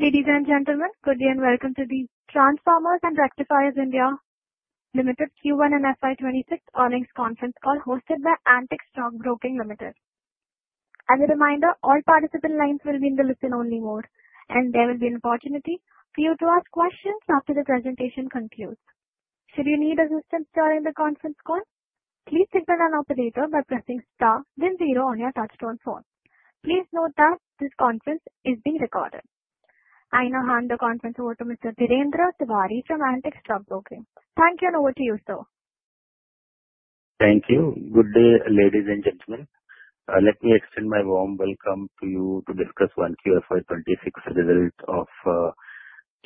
Ladies and gentlemen, good day and welcome to the Transformers and Rectifiers (India) Ltd Q1 and FY26 earnings conference call hosted by Antique Stock Broking Limited. As a reminder, all participant lines will be in the listen-only mode, and there will be an opportunity for you to ask questions after the presentation concludes. Should you need assistance during the conference call, please signal an operator by pressing star, then zero on your touch-tone phone. Please note that this conference is being recorded. I now hand the conference over to Mr. Dhirendra Tiwari from Antique Stock Broking. Thank you, and over to you, sir. Thank you. Good day, ladies and gentlemen. Let me extend my warm welcome to you to discuss 1Q FY26 results of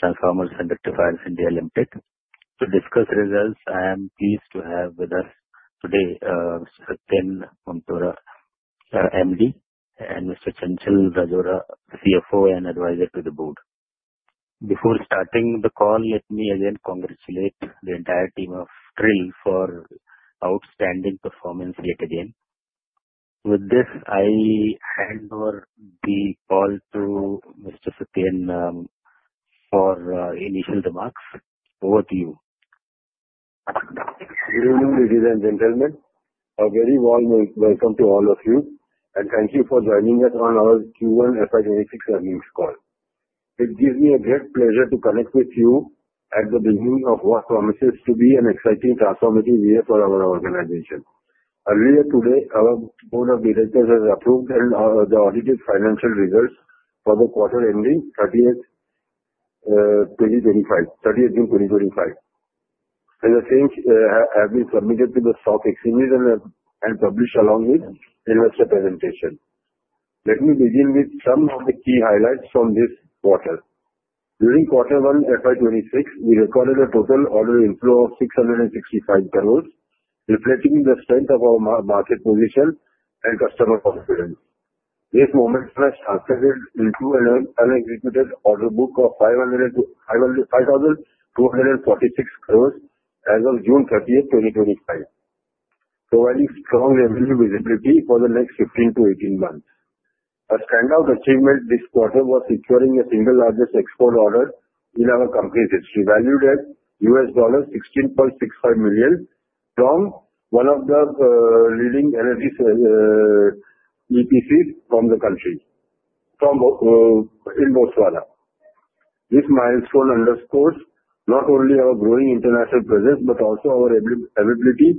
Transformers and Rectifiers (India) Limited. To discuss results, I am pleased to have with us today Mr. Satyen Mamtora, MD, and Mr. Chanchal Rajora, CFO and advisor to the board. Before starting the call, let me again congratulate the entire team of TRIL for outstanding performance yet again. With this, I hand over the call to Mr. Satyen for initial remarks. Over to you. Good evening, ladies and gentlemen. A very warm welcome to all of you, and thank you for joining us on our Q1 FY26 earnings call. It gives me a great pleasure to connect with you at the beginning of what promises to be an exciting transformative year for our organization. Earlier today, our board of directors has approved and audited financial results for the quarter ending June 30th 2025. As I said, they have been submitted to the stock exchanges and published along with investor presentations. Let me begin with some of the key highlights from this quarter. During quarter one FY26, we recorded a total order inflow of 665 crores, reflecting the strength of our market position and customer confidence. This momentum has translated into an unexecuted order book of 5,246 crores as of June 30, 2025, providing strong revenue visibility for the next 15 to 18 months. A standout achievement this quarter was securing a single largest export order in our company's history, valued at $16.65 million, from one of the leading energy EPCs from the country, in Botswana. This milestone underscores not only our growing international presence but also our ability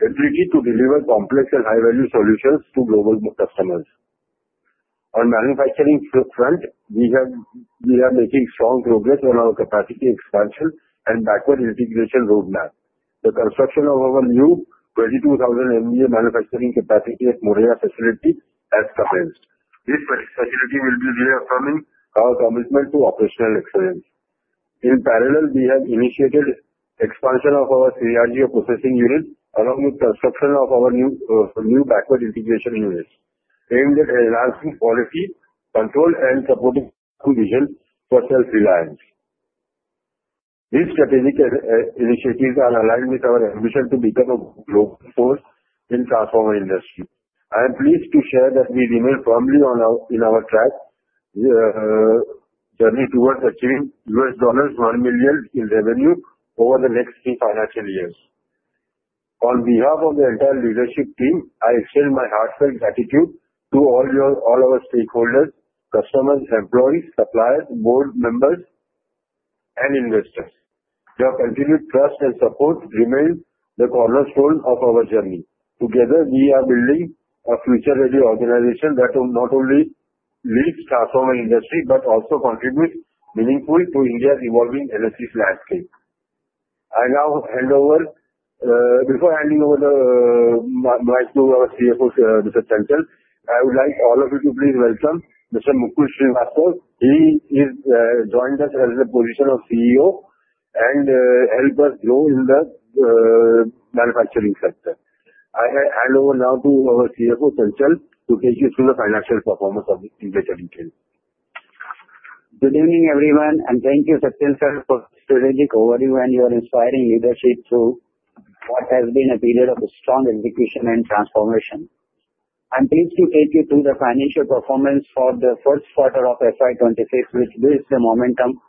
to deliver complex and high-value solutions to global customers. On the manufacturing front, we are making strong progress on our capacity expansion and backward integration roadmap. The construction of our new 22,000 MVA manufacturing capacity at Moraiya facility has commenced. This facility will be reaffirming our commitment to operational excellence. In parallel, we have initiated expansion of our steel processing unit along with construction of our new backward integration units, aimed at enhancing quality, control, and supporting vision for self-reliance. These strategic initiatives are aligned with our ambition to become a global force in the transformer industry. I am pleased to share that we remain firmly on our track journey towards achieving $1 million in revenue over the next three financial years. On behalf of the entire leadership team, I extend my heartfelt gratitude to all our stakeholders: customers, employees, suppliers, board members, and investors. Your continued trust and support remain the cornerstone of our journey. Together, we are building a future-ready organization that will not only lead the transformer industry but also contribute meaningfully to India's evolving energy landscape. I now hand over. Before handing over the mic to our CFO, Mr. Chanchal, I would like all of you to please welcome Mr. Mukul Srivastava. He has joined us as the position of CEO and helped us grow in the manufacturing sector. I hand over now to our CFO, Chanchal, to take you through the financial performance of the company. Good evening, everyone, and thank you, Mr. Chanchal, for the strategic overview and your inspiring leadership through what has been a period of strong execution and transformation. I'm pleased to take you through the financial performance for the first quarter of FY26, which built the momentum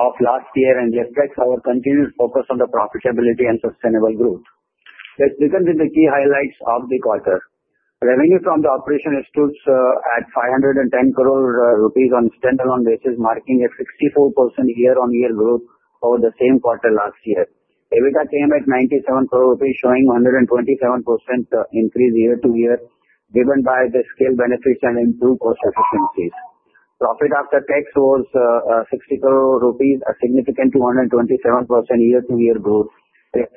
of last year and reflects our continued focus on profitability and sustainable growth. Let's begin with the key highlights of the quarter. Revenue from the operation stood at 510 crores rupees on a standalone basis, marking a 64% year-on-year growth over the same quarter last year. EBITDA came at 97 crores rupees, showing a 127% increase year-to-year, driven by the scale benefits and improved cost efficiencies. Profit after tax was 60 crores rupees, a significant 227% year-to-year growth, with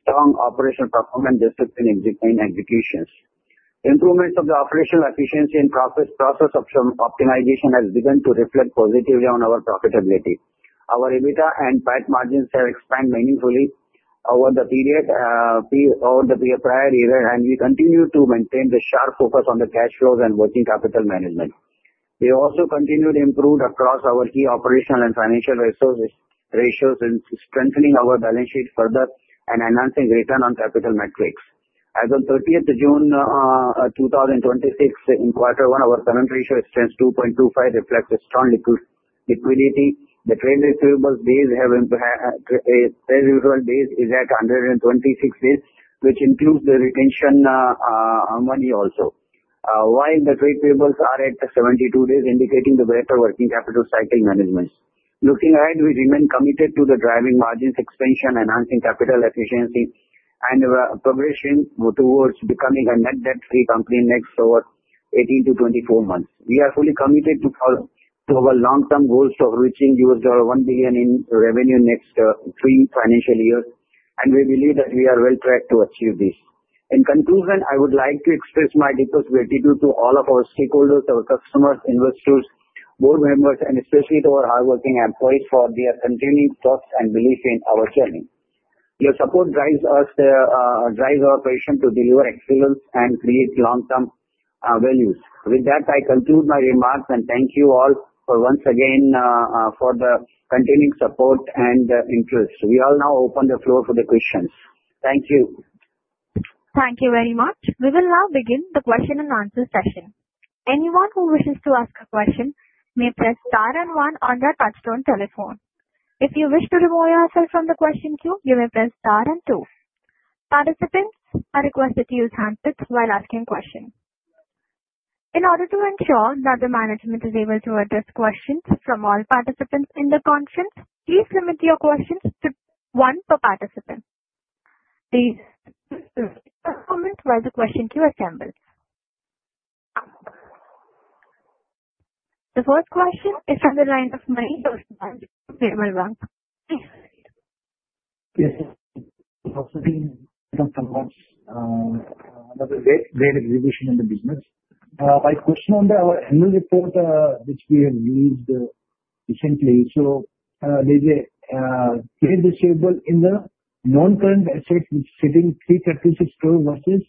strong operational performance and executions. Improvements of the operational efficiency and process optimization have begun to reflect positively on our profitability. Our EBITDA and PAT margins have expanded meaningfully over the prior year, and we continue to maintain the sharp focus on the cash flows and working capital management. We also continued improvement across our key operational and financial ratios, strengthening our balance sheet further and enhancing return on capital metrics. As of 30 June 2025, in quarter 1, our current ratio stands at 2.25, reflecting strong liquidity. The trade receivables days have increased. The trade receivables days are at 126 days, which includes the retention money also, while the trade payables are at 72 days, indicating the better working capital cycle management. Looking ahead, we remain committed to the driving margins expansion, enhancing capital efficiency, and progressing towards becoming a net debt-free company in the next 18 to 24 months. We are fully committed to our long-term goals of reaching $1 billion in revenue in the next three financial years, and we believe that we are well tracked to achieve this. In conclusion, I would like to express my deepest gratitude to all of our stakeholders, our customers, investors, board members, and especially to our hardworking employees for their continued trust and belief in our journey. Your support drives our passion to deliver excellence and create long-term values. With that, I conclude my remarks and thank you all once again for the continued support and interest. We will now open the floor for questions. Thank you. Thank you very much. We will now begin the question-and-answer session. Anyone who wishes to ask a question may press star and one on their touch-tone telephone. If you wish to remove yourself from the question queue, you may press star and two. Participants are requested to use handsets while asking questions. In order to ensure that the management is able to address questions from all participants in the conference, please limit your questions to one per participant. Please stand by while the question queue assembles. The first question is from the line of Manish from Nirmal Bang. Yes. Of being the conference, another great exhibition in the business. My question on the annual report which we have released recently. So there's a trade receivable in the non-current asset sitting 336 crores versus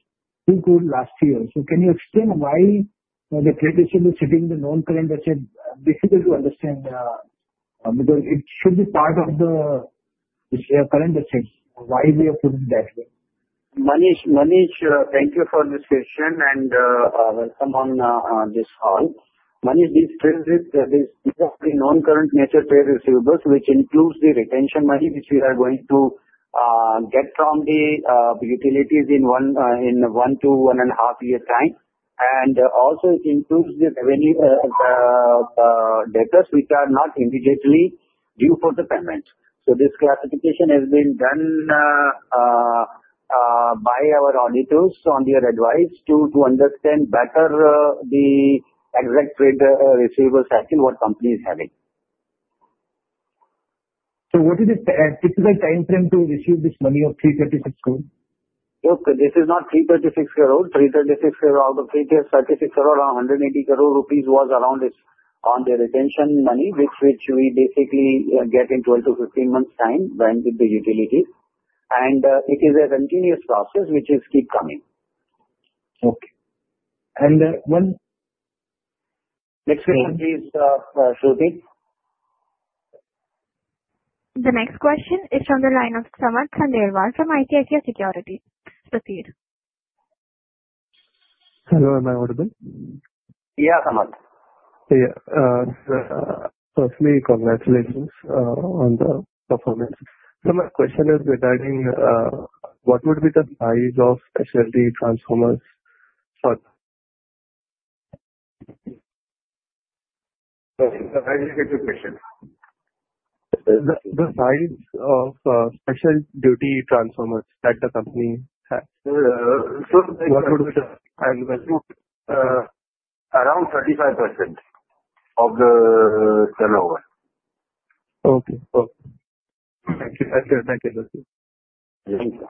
2 crores last year. So can you explain why the trade receivable sitting in the non-current asset is difficult to understand? Because it should be part of the current assets. Why we are putting it that way? Manish, thank you for this question and welcome on this call. Manish, this trade receivable is of the non-current nature trade receivables, which includes the retention money which we are going to get from the utilities in one to one and a half year time, and also, it includes the debtors which are not immediately due for the payment, so this classification has been done by our auditors on their advice to understand better the exact trade receivable cycle what company is having. So what is the typical time frame to receive this money of 336 crores? Look, this is not 336 crores. 336 crores out of 336 crores, around 180 crores rupees was around on the retention money, which we basically get in 12-15 months' time when with the utilities, and it is a continuous process which is keep coming. Okay. And one question. Next question, please, Shruti. The next question is from the line of Samarth Khandelwal from ICICI Securities. Proceed. Hello. Am I audible? Yeah, Samarth. Yeah. Firstly, congratulations on the performance, so my question is regarding what would be the size of specialty transformers? That's a very good question. The size of special duty transformers that the company has, what would be the? Around 35% of the turnover. Okay. Thank you. Thank you. Thank you. Thank you.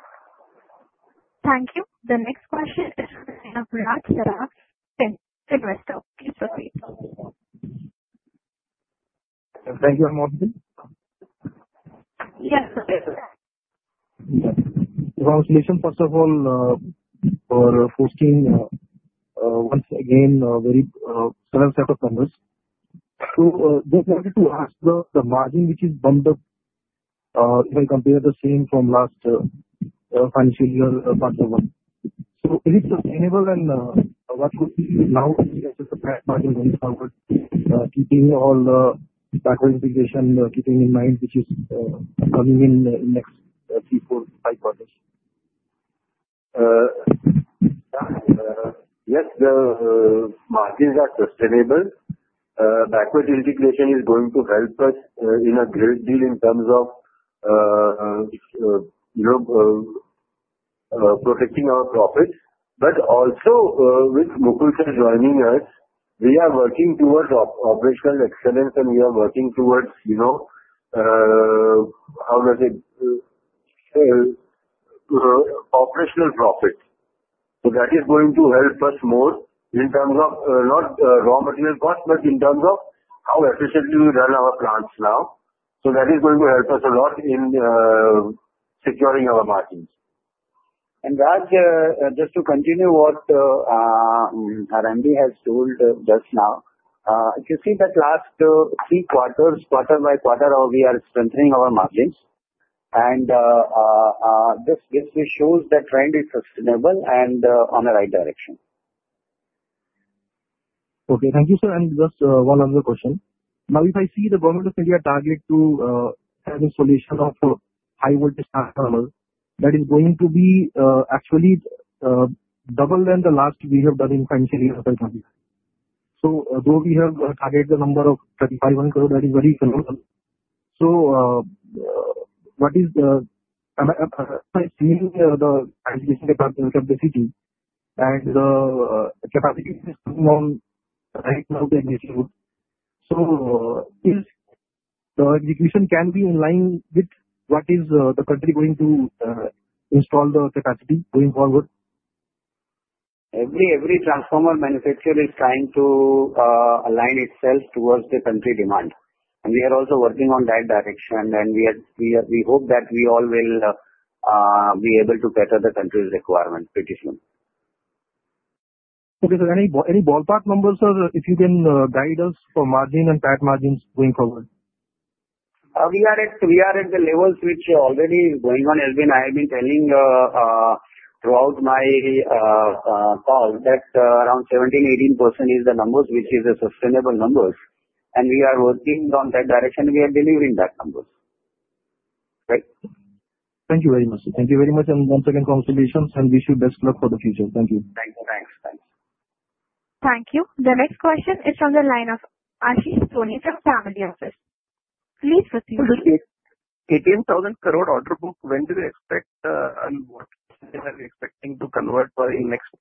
Thank you. The next question is from the line of [Raj Sara]. Thank you. Thank you, Ms. Mohanti. Yes, sir. Yes. Congratulations, first of all, for posting once again a very solid set of numbers. So just wanted to ask the margin, which is bumped up when compared to the same from last financial year quarter one. So is it sustainable, and what could be now the margin going forward, keeping all the backward integration in mind which is coming in the next three, four, five quarters? Yes, the margins are sustainable. Backward integration is going to help us in a great deal in terms of protecting our profits. But also, with Mukul joining us, we are working towards operational excellence, and we are working towards, how do I say, operational profits. So that is going to help us more in terms of not raw material costs, but in terms of how efficiently we run our plants now. So that is going to help us a lot in securing our margins. And Raj, just to continue what R&D has told just now, if you see that last three quarters, quarter by quarter, we are strengthening our margins. And this shows that trend is sustainable and on the right direction. Okay. Thank you, sir. And just one other question. Now, if I see the government of India target to have a solution of high-voltage transformers that is going to be actually double than the last we have done in financial year 2025. So though we have targeted the number of INR 351 crores, that is very close. So what is the seeing the transmission capacity and the capacity is going on right now to execute. So the execution can be in line with what is the country going to install the capacity going forward? Every transformer manufacturer is trying to align itself toward the country demand. And we are also working in that direction, and we hope that we all will be able to better the country's requirements pretty soon. Okay, sir. Any ballpark numbers, sir, if you can guide us for margin and PAT margins going forward? We are at the levels which are already going on. As I have been telling throughout my call, that around 17%-18% is the numbers which are sustainable numbers. And we are working in that direction, and we are delivering that numbers. Thank you very much. Thank you very much, and once again, congratulations, and wish you best luck for the future. Thank you. Thanks. Thanks. Thank you. The next question is from the line of Aashish Soni from Private Family Office. Please proceed. 18,000 crore order book, when do you expect and what are you expecting to convert in next?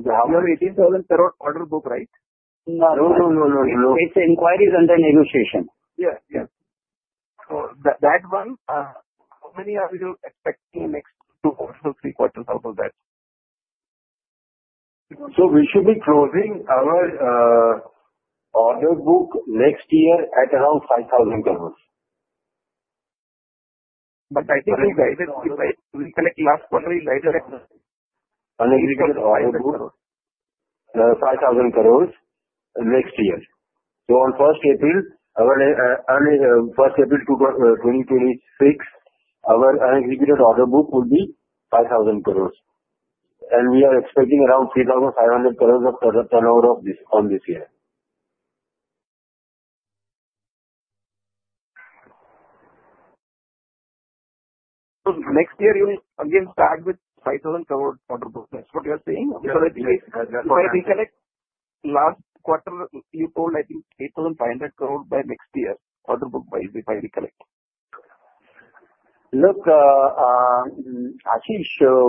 You have 18,000 crore order book, right? No. No, no, no, no. It's inquiries and then negotiation. Yeah, yeah. So that one, how many are we expecting next two or three quarters out of that? We should be closing our order book next year at around 5,000 crores. But I think we collect last quarter an executed order book, 5,000 crores next year. So on 1st April, April 1st 2026, our executed order book will be 5,000 crores. And we are expecting around 3,500 crores of turnover on this year. So next year, you will again start with 5,000 crore order book. That's what you are saying? Because if I recollect, last quarter, you told, I think, 8,500 crores by next year order book if I recollect. Look, Ashish,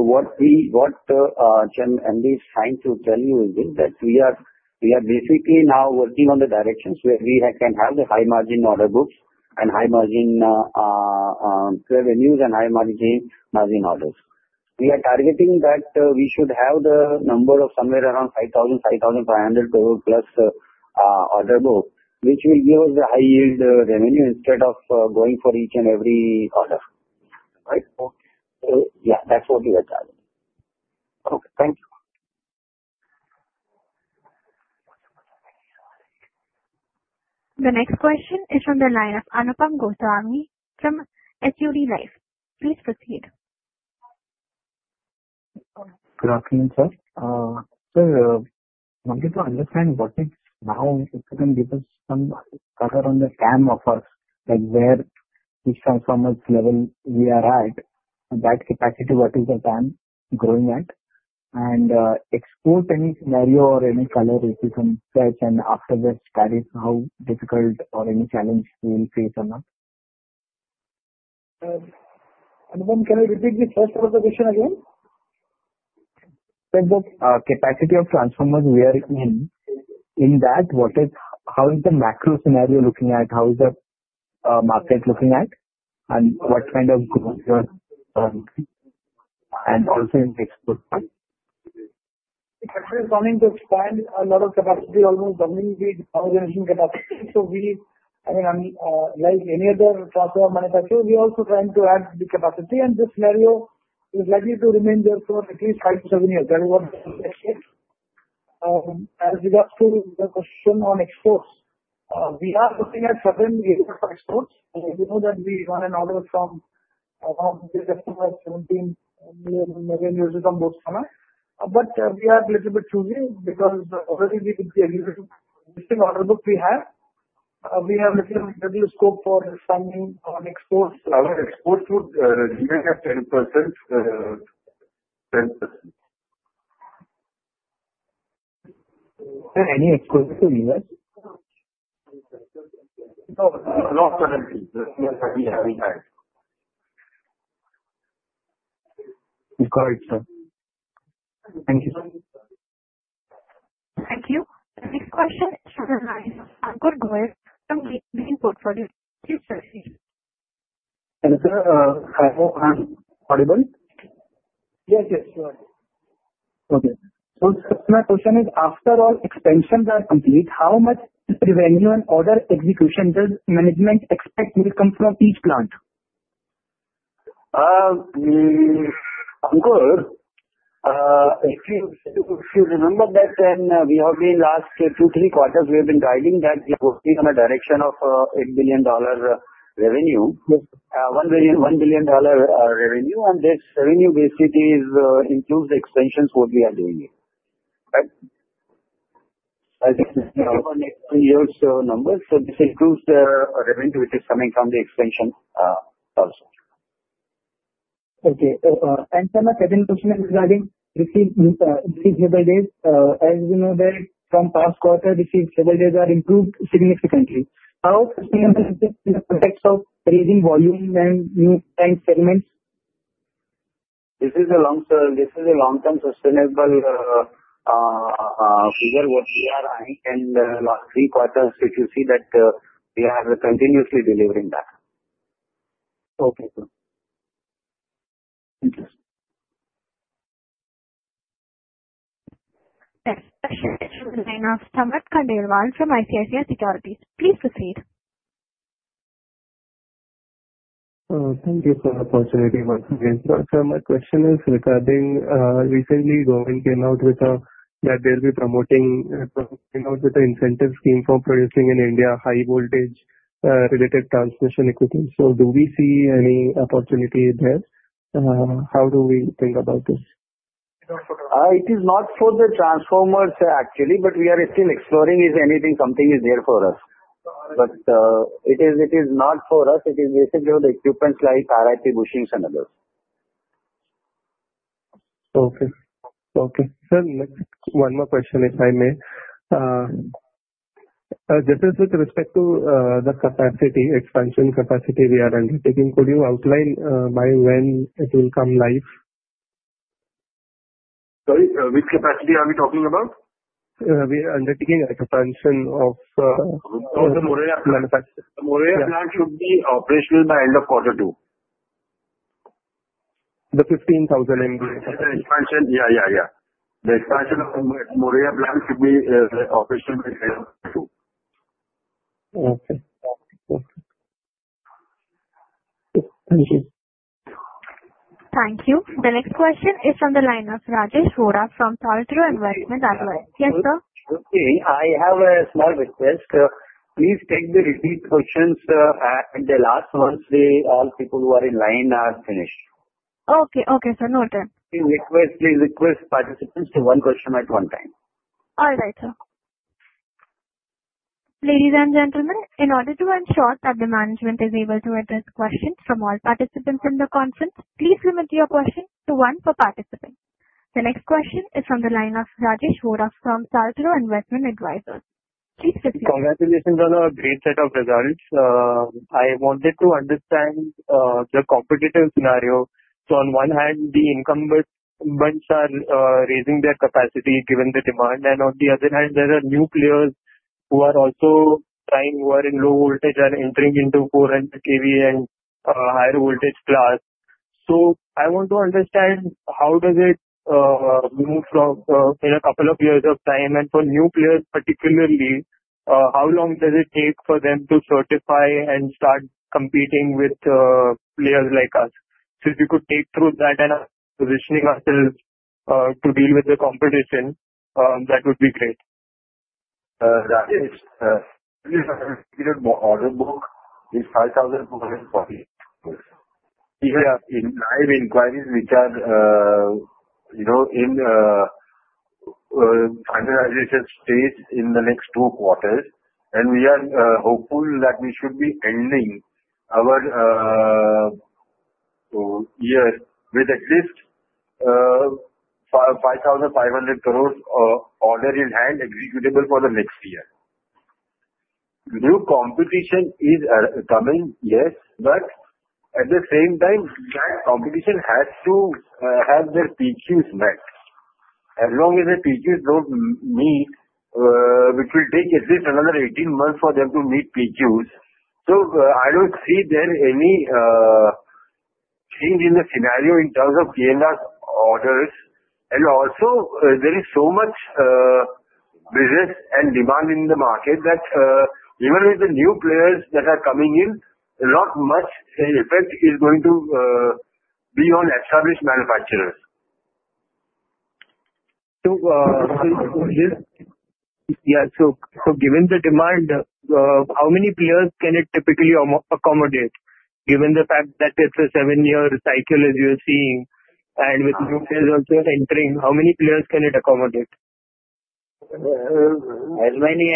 what MD is trying to tell you is that we are basically now working on the directions where we can have the high-margin order books and high-margin revenues and high-margin orders. We are targeting that we should have the number of somewhere around 5,000-5,500 crores plus order book, which will give us the high-yield revenue instead of going for each and every order. Right. Okay. So yeah, that's what we are targeting. Okay. Thank you. The next question is from the line of Anupam Goswami from SUD Life. Please proceed. Good afternoon, sir. Sir, wanted to understand what is now if you can give us some color on the TAM of us, like where each transformer's level we are at, that capacity, what is the TAM growing at, and upside any scenario or any color if you can touch, and after that, how difficult or any challenge we will face or not. Anupam, can you repeat the first part of the question again? Capacity of transformers we are in, in that, how is the macro scenario looking at, how is the market looking at, and what kind of growth and also in next quarter? The company is trying to expand a lot of capacity, almost doubling the organization capacity. We, I mean, like any other transformer manufacturer, are also trying to add the capacity, and this scenario is likely to remain there for at least five to seven years. That is what we expect. As with the question on exports, we are looking at certain areas of exports. We know that we got an order from Botswana for $17 million. But we are a little bit choosy because already with the existing order book we have, we have a little scope for expanding on exports. Our exports would be at 10%. Any exposure to U.S.? No. Not currently. That's what we have. Got it, sir. Thank you. Thank you. The next question is from the line of Ankur Goyal from APG Portfolio. Please proceed. Hello, sir. I'm audible? Yes, yes. Sure. Okay. So my question is, after all expansions are complete, how much revenue and order execution does management expect will come from each plant? Ankur, if you remember back then, we have been last two, three quarters, we have been guiding that we are working in a direction of a billion revenue, $1 billion revenue, and this revenue basically includes the expansions what we are doing here. Right? As you can see from the expanded numbers, so this includes the revenue which is coming from the expansion also. Okay. And sir, my second question is regarding receivable days. As you know, from past quarter, receivables are improved significantly. How sustainable is it in the context of raising volume and new plant segments? This is a long-term sustainable figure what we are eyeing, and last three quarters, which you see that we are continuously delivering that. Okay. Next question is from the line of Samarth Khandelwal from ICICI Securities. Please proceed. Thank you for the opportunity. My question is regarding recently Goyal came out with that they'll be promoting with an incentive scheme for producing in India high-voltage related transmission equipment, so do we see any opportunity there? How do we think about this? It is not for the transformers, actually, but we are still exploring if anything, something is there for us. But it is not for us. It is basically with equipment like RIP bushings and others. Okay. Okay. Sir, one more question, if I may. This is with respect to the capacity, expansion capacity we are undertaking. Could you outline by when it will come live? Sorry? Which capacity are we talking about? We are undertaking expansion of. The Moraiya plant should be operational by end of quarter two. The 15,000. Yeah, yeah, yeah. The expansion of Moraiya plant should be operational by end of quarter two. Okay. Okay. Thank you. Thank you. The next question is from the line of Rajesh Vora from [TalTrue] Investment. Yes, sir? Okay. I have a small request. Please take the repeat questions at the last once all people who are in line are finished. Okay. Okay, sir. No time. Please request participants to one question at one time. All right, sir. Ladies and gentlemen, in order to ensure that the management is able to address questions from all participants in the conference, please limit your question to one per participant. The next question is from the line of Rajesh Vora from [TalTrue] Investment Advisors. Please proceed. Congratulations on a great set of results. I wanted to understand the competitive scenario. On one hand, the incumbents are raising their capacity given the demand, and on the other hand, there are new players who are also trying, who are in low voltage and entering into 400kV and higher voltage class. I want to understand how does it move in a couple of years of time, and for new players particularly, how long does it take for them to certify and start competing with players like us. If we could take us through that and positioning ourselves to deal with the competition, that would be great. Rajesh, if you look at the order book, it's 5,240 crores. We have live inquiries which are in finalization stage in the next two quarters, and we are hopeful that we should be ending our year with at least 5,500 crores order in hand executable for the next year. New competition is coming, yes, but at the same time, that competition has to have their PQs met. As long as their PQs don't meet, which will take at least another 18 months for them to meet PQs. So I don't see there any change in the scenario in terms of PQs orders. And also, there is so much business and demand in the market that even with the new players that are coming in, not much effect is going to be on established manufacturers. Yeah. So given the demand, how many players can it typically accommodate? Given the fact that it's a seven-year cycle as you're seeing, and with new players also entering, how many players can it accommodate? As many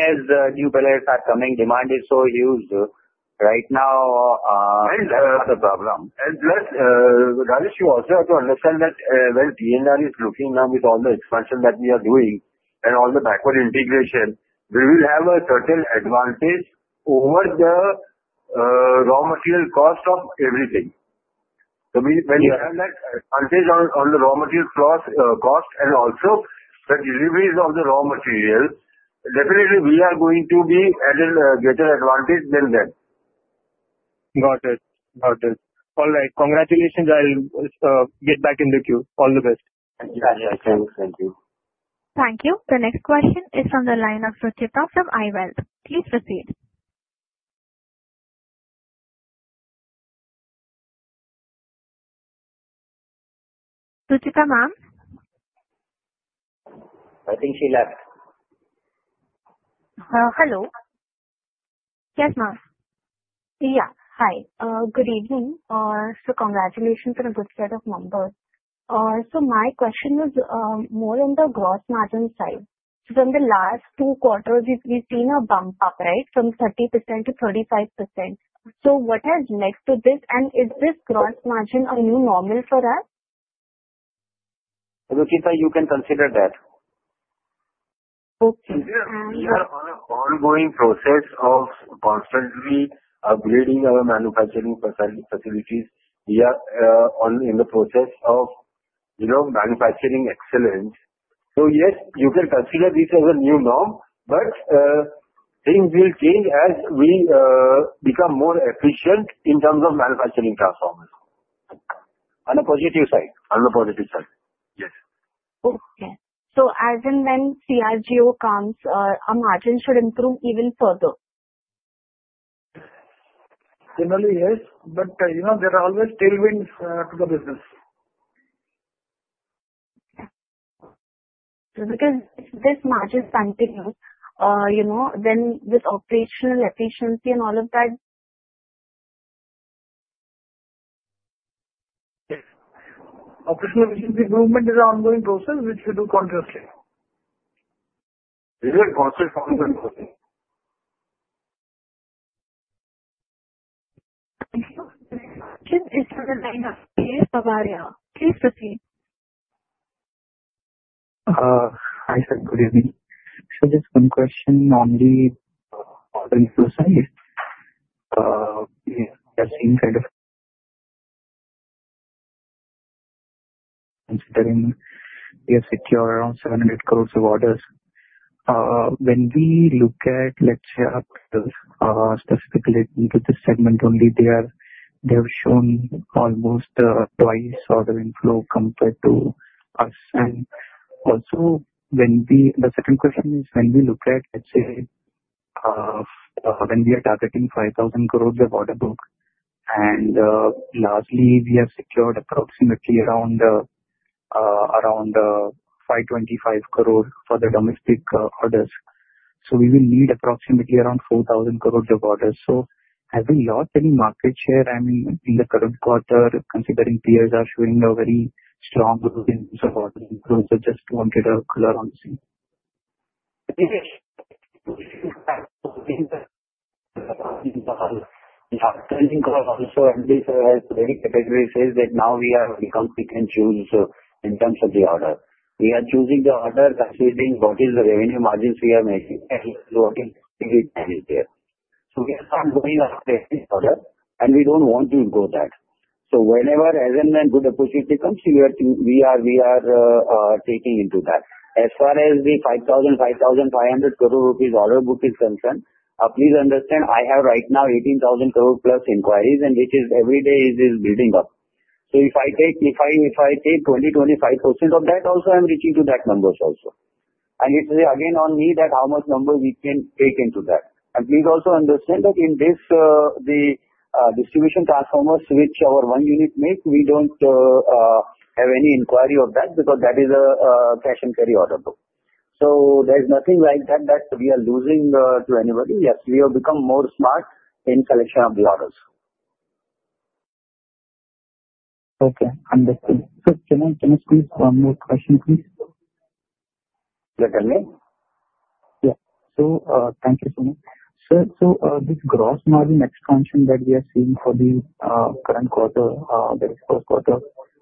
new players are coming, demand is so huge right now, and that's the problem. Plus, Rajesh, you also have to understand that when peers are looking now with all the expansion that we are doing and all the backward integration, we will have a certain advantage over the raw material cost of everything, so when you have that advantage on the raw material cost and also the deliveries of the raw material, definitely we are going to be at a greater advantage than them. Got it. Got it. All right. Congratulations. I'll get back in the queue. All the best. Thank you. Thank you. Thank you. The next question is from the line of Rucheeta from I-WEALTH. Please proceed. Rucheeta, ma'am? I think she left. Hello? Yes, ma'am. Yeah. Hi. Good evening. So congratulations on a good set of numbers. So my question was more on the gross margin side. So from the last two quarters, we've seen a bump up, right, from 30%-35%. So what has led to this, and is this gross margin a new normal for us? Rucheeta, you can consider that. Okay. We are on an ongoing process of constantly upgrading our manufacturing facilities. We are in the process of manufacturing excellence. So yes, you can consider this as a new norm, but things will change as we become more efficient in terms of manufacturing transformers. On the positive side. Yes. Okay. So as in when CRGO comes, our margin should improve even further? Similarly, yes. But there are always tailwinds to the business. Because if this margin continues, then this operational efficiency and all of that. Yes. Operational efficiency improvement is an ongoing process, which we do continuously. This is a process of. Thank you. The next question is from the line of [Neel Pavaria]. Please proceed. Hi, sir. Good evening. So just one question on the order inflow side. We are seeing kind of considering we have secured around 700 crores of orders. When we look at, let's say, specifically into this segment only, they have shown almost twice order inflow compared to us. And also, the second question is when we look at, let's say, when we are targeting 5,000 crores of order book, and lastly, we have secured approximately around 525 crores for the domestic orders. So we will need approximately around 4,000 crores of orders. So have we lost any market share? I mean, in the current quarter, considering peers are showing a very strong growth in order inflow, so just wanted a color on the scene. We have trending growth also, and this is where many categories say that now we have become pick and choose in terms of the order. We are choosing the order, considering what is the revenue margins we are making, and what is being managed here. So we are not going after any order, and we don't want to go that. So whenever, as in when good opportunity comes, we are taking into that. As far as the 5,000 crores-5,500 crore rupees order book is concerned, please understand I have right now 18,000 crore plus inquiries, and which is every day is building up. So if I take 20%-25% of that, also I'm reaching to that numbers also. And it's again on me that how much numbers we can take into that. Please also understand that in this, the distribution transformers which our one unit makes, we don't have any inquiry of that because that is a cash and carry order book. There's nothing like that that we are losing to anybody. Yes, we have become more smart in selection of the orders. Okay. Understood. So can I squeeze one more question, please? Yeah, tell me. Yeah. So thank you so much. Sir, so this gross margin expansion that we are seeing for the current quarter, the first quarter,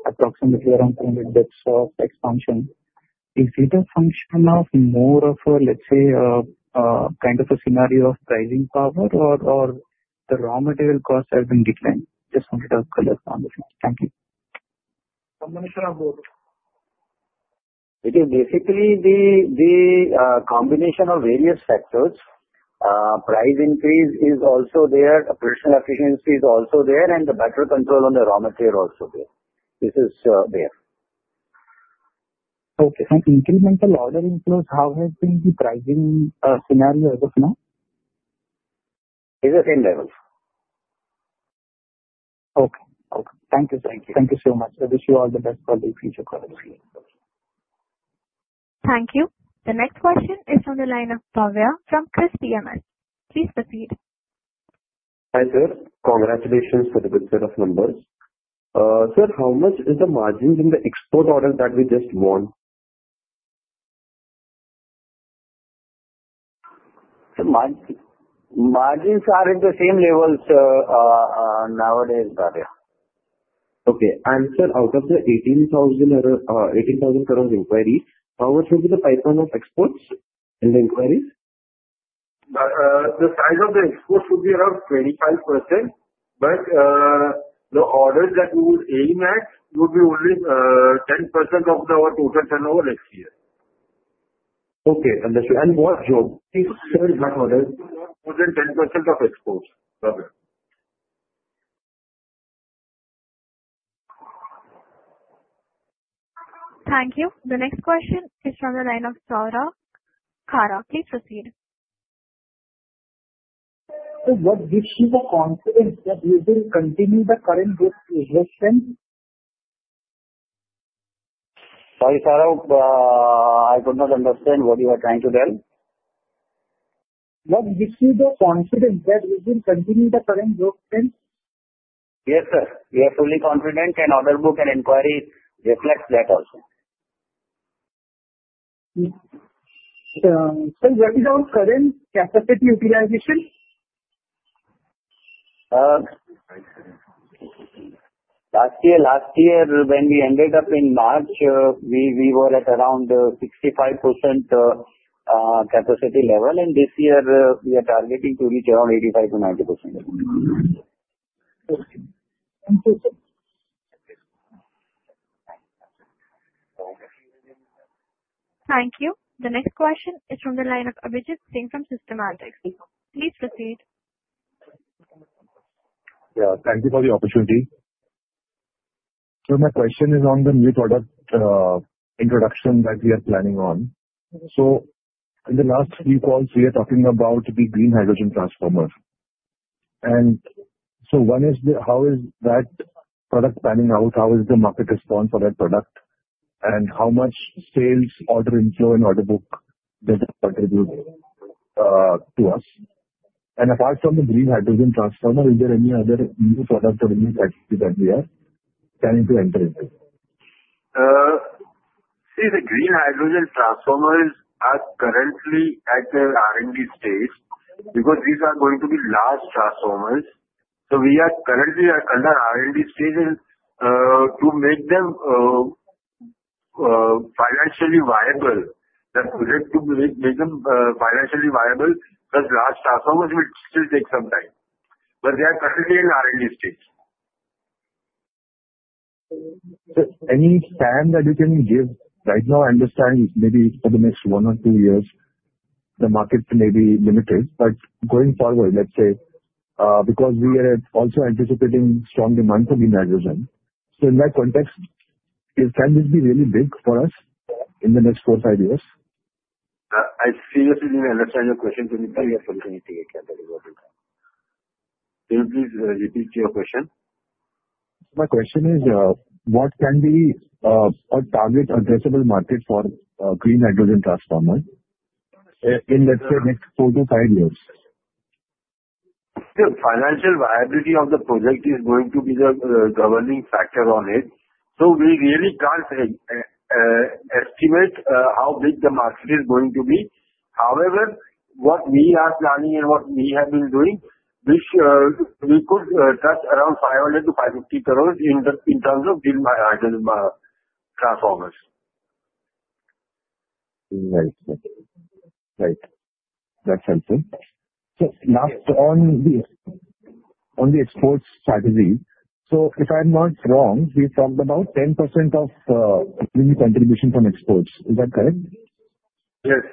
approximately around 200 basis points of expansion, is it a function of more of a, let's say, kind of a scenario of pricing power, or the raw material costs have been declined? Just wanted to clarify on the thing. Thank you. It is basically the combination of various factors. Price increase is also there. Operational efficiency is also there, and the better control on the raw material also there. This is there. Okay. Incremental order inflows, how has been the pricing scenario as of now? It's the same level. Okay. Thank you so much. I wish you all the best for the future quarter. Thank you. The next question is from the line of Bhavya from Kriis PMS. Please proceed. Hi sir. Congratulations for the good set of numbers. Sir, how much is the margin in the export order that we just won? Margins are at the same level nowadays, Bhavya. Okay. And sir, out of the INR 18,000 crores inquiries, how much would be the pipeline of exports and the inquiries? The size of the exports would be around 25%, but the orders that we would aim at would be only 10% of our total turnover next year. Okay. Understood. And what job? Please tell us what orders? More than 10% of exports. Thank you. The next question is from the line of [Saurabh Kara]. Please proceed. Sir, what gives you the confidence that we will continue the current growth trend? Sorry, Saurabh, I could not understand what you are trying to tell. What gives you the confidence that we will continue the current growth trend? Yes, sir. We are fully confident, and order book and inquiries reflect that also. Sir, what is our current capacity utilization? Last year, when we ended up in March, we were at around 65% capacity level, and this year we are targeting to reach around 85%-90%. Okay. Thank you, sir. Thank you. The next question is from the line of Abhijit Singh from Systematix. Please proceed. Yeah. Thank you for the opportunity. My question is on the new product introduction that we are planning on. In the last few calls, we are talking about the green hydrogen transformer. One is how is that product panning out? How is the market response for that product? And how much sales, order inflow, and order book does it contribute to us? And apart from the green hydrogen transformer, is there any other new product or new category that we are planning to enter into? See, the green hydrogen transformers are currently at the R&D stage because these are going to be large transformers. We are currently under R&D stage, and to make them financially viable, that project to make them financially viable because large transformers will still take some time. They are currently in R&D stage. Sir, any sense that you can give right now, understand maybe for the next one or two years, the market may be limited, but going forward, let's say, because we are also anticipating strong demand for green hydrogen, so in that context, can this be really big for us in the next four, five years? I seriously didn't understand your question. Can you please repeat your question? My question is, what can be a total addressable market for green hydrogen transformer in, let's say, next four to five years? The financial viability of the project is going to be the governing factor on it. So we really can't estimate how big the market is going to be. However, what we are planning and what we have been doing, we could touch around 500 crores-550 crores in terms of green hydrogen transformers. Right. Right. That's helpful. So last on the exports strategy. So if I'm not wrong, we've talked about 10% of revenue contribution from exports. Is that correct? Yes.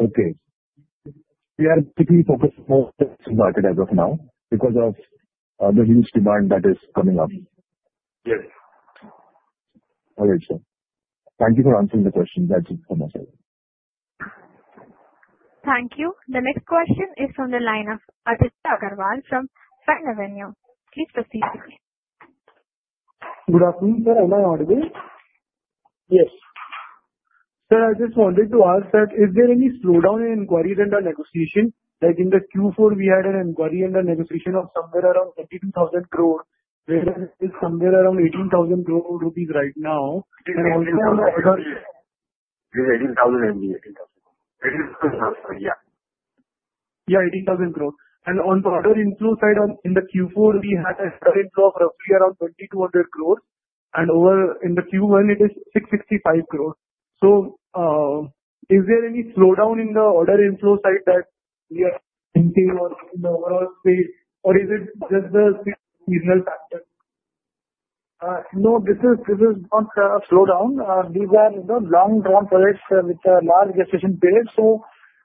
Okay. We are typically focused more on exports market as of now because of the huge demand that is coming up. Yes. All right, sir. Thank you for answering the question. That's it from my side. Thank you. The next question is from the line of Aditya Agarwal from [Fine] Avenue. Please proceed. Good afternoon, sir. Am I audible? Yes. Sir, I just wanted to ask that, is there any slowdown in inquiries and/or negotiation? Like in the Q4, we had an inquiry and a negotiation of somewhere around 22,000 crore, whereas it is somewhere around 18,000 crore rupees right now. And on the order. It is 18,000 MVA. 18,000 crore. INR 18,000 crore, yeah. Yeah, 18,000 crore. And on the order inflow side, in the Q4, we had an order inflow of roughly around 2,200 crores, and in the Q1, it is 665 crores. So is there any slowdown in the order inflow side that we are seeing in the overall space, or is it just the seasonal factor? No, this is not a slowdown. These are long-term projects with a large decision period,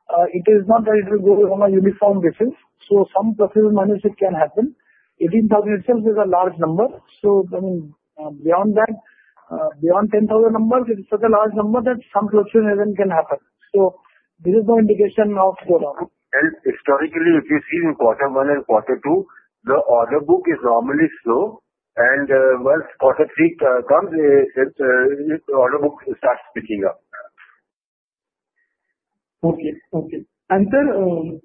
so it is not that it will go on a uniform basis, so some pluses and minuses can happen. 18,000 crores itself is a large number, so beyond that, beyond 10,000 crores numbers, it's such a large number that some pluses and minuses can happen, so there is no indication of slowdown, and historically, if you see in quarter one and quarter two, the order book is normally slow, and once quarter three comes, the order book starts picking up. Okay. Okay. And sir,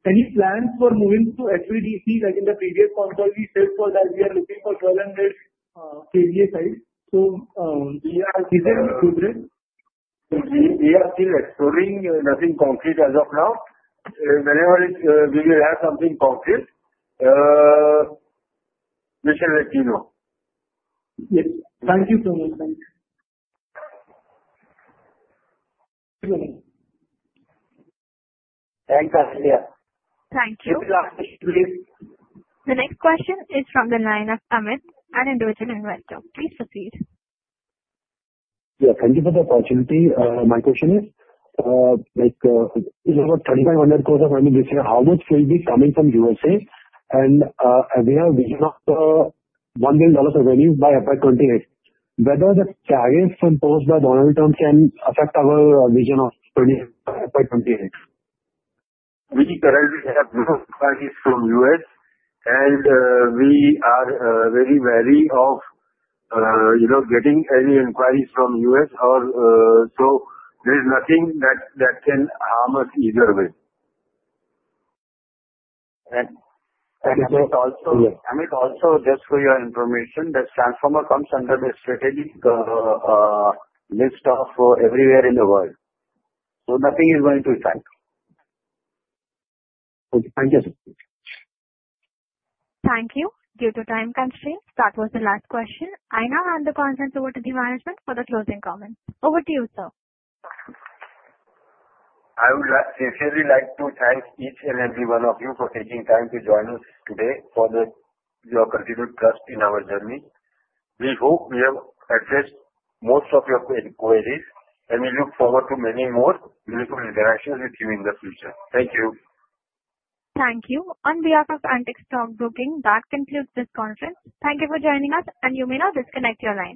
any plans for moving to HVDC? Like in the previous con call, we said that we are looking for 1,200 kVA size. So is there any progress? We are still exploring. Nothing concrete as of now. Whenever we will have something concrete, we shall let you know. Yes. Thank you so much. Thank you. Thank you. Thank you, sir. Thank you. The next question is from the line of Amit, an individual investor. Please proceed. Yeah. Thank you for the opportunity. My question is about 3,500 crores of revenue this year, how much will be coming from U.S.A.? And we have a vision of $1 billion revenue by FY28. Whether the tariffs imposed by Donald Trump can affect our vision of FY28? We currently have no inquiries from the U.S., and we are very wary of getting any inquiries from the U.S. So there is nothing that can harm us either way. Amit also, just for your information, the transformer comes under the strategic list of everywhere in the world. Nothing is going to affect. Okay. Thank you, sir. Thank you. Due to time constraints, that was the last question. I now hand the session over to the management for the closing comments. Over to you, sir. I would sincerely like to thank each and every one of you for taking time to join us today for your continued trust in our journey. We hope we have addressed most of your inquiries, and we look forward to many more meaningful interactions with you in the future. Thank you. Thank you. On behalf of Antique Stock Broking, that concludes this conference. Thank you for joining us, and you may now disconnect your line.